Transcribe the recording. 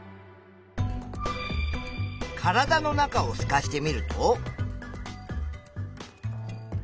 体の中をすかしてみると？